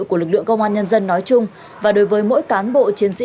của lực lượng công an nhân dân nói chung và đối với mỗi cán bộ chiến sĩ